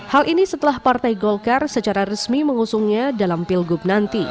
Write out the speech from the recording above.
hal ini setelah partai golkar secara resmi mengusungnya dalam pilgub nanti